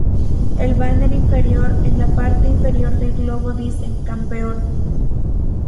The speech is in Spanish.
El banner inferior en la parte inferior del globo dice "Campeón".